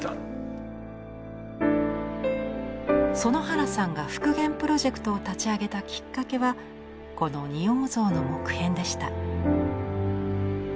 園原さんが復元プロジェクトを立ち上げたきっかけはこの仁王像の木片でした。